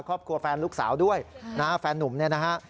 แฟนลูกสาวด้วยนะฮะแฟนนุ่มเนี่ยนะฮะ